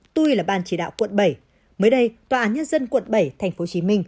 tui là ban chỉ đạo quận bảy mới đây tòa án nhân dân quận bảy tp hcm